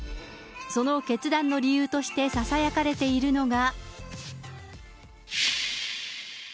その決断の理由としてささやかれているのが。